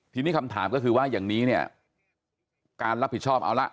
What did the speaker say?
ทีนี้คำถามก็คือว่าอย่างนี้เนี่ยการรับผิดชอบเอาละ